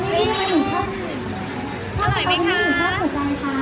อร่อยมาก